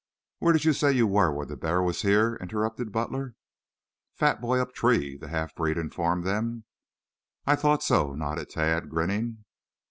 "Where did you say you were when the bear was here?" interrupted Butler. "Fat boy up tree," the half breed informed them. "I thought so," nodded Tad, grinning.